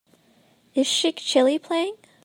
Is Sheikh Chilli playing